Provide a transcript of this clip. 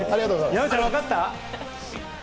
山ちゃん、わかった？